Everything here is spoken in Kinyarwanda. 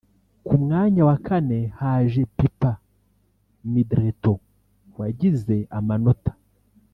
Ku mwanya wa kane haje Pipa Middleton wagize amanota